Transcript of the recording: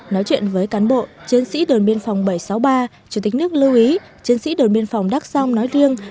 nói chuyện với cán bộ chiến sĩ đồn biên phòng bảy trăm sáu mươi ba chủ tịch nước lưu ý chiến sĩ đồn biên phòng đắc song nói riêng